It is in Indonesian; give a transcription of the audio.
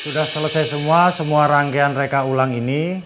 sudah selesai semua semua rangkaian reka ulang ini